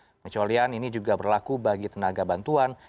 pengecualian ini juga berlaku bagi tenaga bantuan